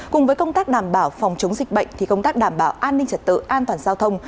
cùng với công tác đảm bảo phòng chống dịch bệnh thì công tác đảm bảo an ninh trật tự an toàn giao thông